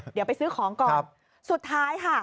เดี๋ยวไปซื้อของก่อนสุดท้ายค่ะ